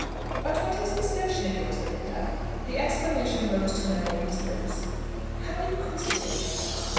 "But what is this notion of yours, Belinda?" The exclamation rose to my lady's lips, "How inquisitive men are!"